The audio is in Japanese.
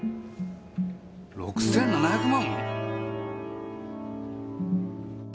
６７００万！？